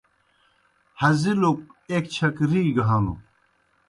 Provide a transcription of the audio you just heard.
ہزِیلُک ایْک چھک رِی گہ ہنوْ۔